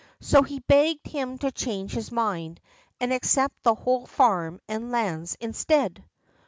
So he begged him to change his mind and accept his whole farm and lands instead.